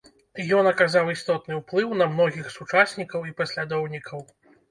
Ён аказаў істотны ўплыў на многіх сучаснікаў і паслядоўнікаў.